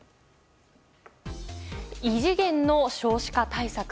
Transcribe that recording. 異次元の少子化対策。